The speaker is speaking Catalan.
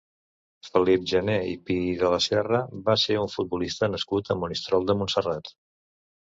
Felip Janer i Pidelaserra va ser un futbolista nascut a Monistrol de Montserrat.